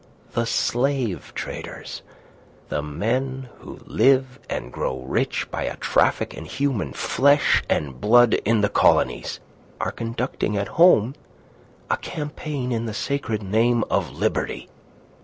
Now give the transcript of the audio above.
The slave traders! The men who live and grow rich by a traffic in human flesh and blood in the colonies, are conducting at home a campaign in the sacred name of liberty!